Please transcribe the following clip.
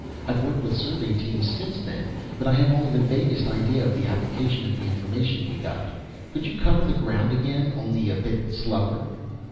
I've worked with survey teams since then, but I have only the vaguest idea of the application of the information we got. Could you cover the ground again only a bit slower?"